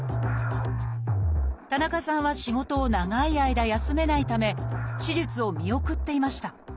田中さんは仕事を長い間休めないため手術を見送っていました。